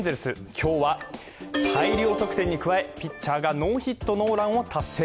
今日は、大量得点に加えピッチャーがノーヒットノーランを達成。